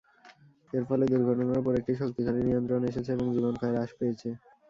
এর ফলে দুর্ঘটনার উপর একটি শক্তিশালী নিয়ন্ত্রণ এসেছে এবং জীবনক্ষয় হ্রাস পেয়েছে।